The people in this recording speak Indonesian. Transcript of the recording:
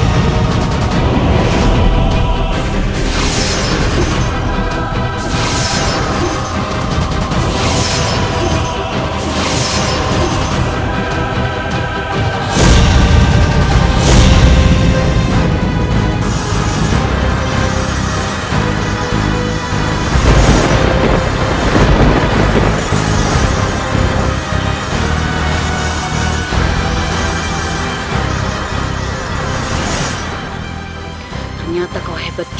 kau tidak akan berada di dalam kekuasaanku